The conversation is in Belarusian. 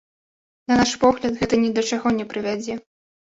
На наш погляд, гэта ні да чаго не прывядзе.